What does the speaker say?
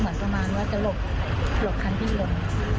เหมือนประมาณว่าจะหลบหลบคันพี่หลบ